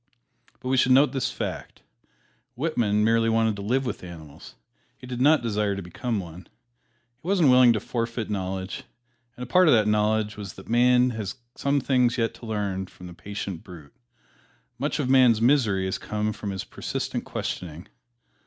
But we should note this fact: Whitman merely wanted to live with animals he did not desire to become one. He wasn't willing to forfeit knowledge; and a part of that knowledge was that man has some things yet to learn from the patient brute. Much of man's misery has come from his persistent questioning.